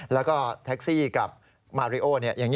แล้วก็แท็กซี่กับมาริโอ